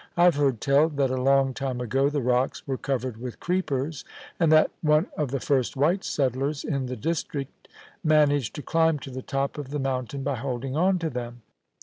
* I've heard tell that a long time ago the rocks were covered with creepers, and that one of the first white settlers in the district managed to climb to the top of the mountain by holding on to them.